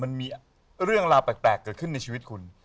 มันมีเรื่องราวแปลกเกิดขึ้นในชีวิตคุณ